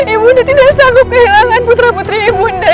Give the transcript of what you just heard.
ibu undang tidak sanggup kehilangan putra putri ibu undang